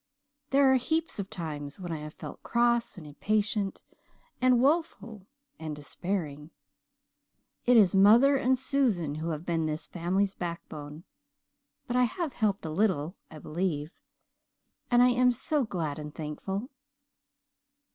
There are heaps of times when I have felt cross and impatient and woeful and despairing. It is mother and Susan who have been this family's backbone. But I have helped a little, I believe, and I am so glad and thankful.